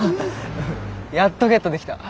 やっとゲットできた。